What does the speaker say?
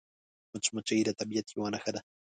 مچمچۍ د طبیعت یوه نښه ده